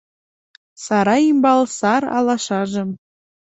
Сарай ӱмбал сар алашажым